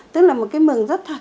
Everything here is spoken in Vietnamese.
tức là một cái mừng rất thật